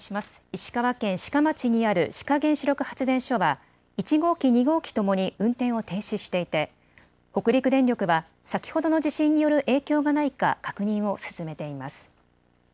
石川県志賀町にある志賀原子力発電所は１号機、２号機ともに運転を停止していて北陸電力は先ほどの地震による影響がないか確認を進めています。